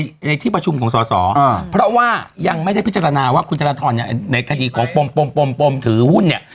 ในที่ประชุมของสอสอเพราะว่ายังไม่ได้พิจารณาว่าคุณธนทรเนี่ยในคดีของปมปมปมถือหุ้นเนี่ย